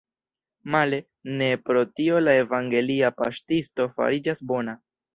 Male, ne pro tio la evangelia paŝtisto fariĝas bona.